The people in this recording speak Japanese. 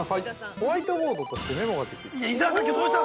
◆ホワイトボードとしてメモができる。